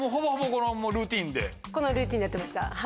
このルーティンでやってました。